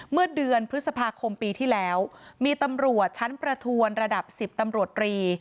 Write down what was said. เมื่อเดือนพฤษภาคมปีที่แล้วมีตำรวจชั้นประทวนระดับ๑๐ตำรวจรี